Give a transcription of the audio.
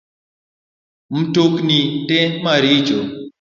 Mtokni te maricho